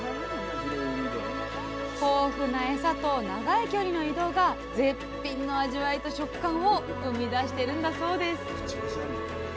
豊富なエサと長い距離の移動が絶品の味わいと食感を生み出してるんだそうです